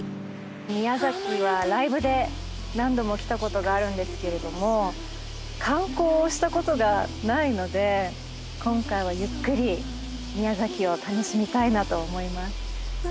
宮崎はライブで何度も来たことがあるんですけれども観光をしたことがないので今回はゆっくり宮崎を楽しみたいなと思います。